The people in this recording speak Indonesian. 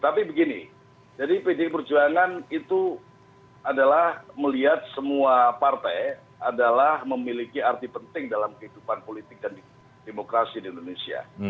tapi begini jadi pdi perjuangan itu adalah melihat semua partai adalah memiliki arti penting dalam kehidupan politik dan demokrasi di indonesia